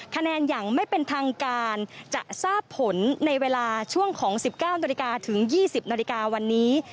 คะแนนอย่างไม่เป็นทางการจะซ่าพผลในเวลาช่วงของ๑๙๒๐นในวันนี้